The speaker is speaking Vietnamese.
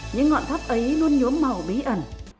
những ngọn tháp ấy luôn nhốm màu bí ẩn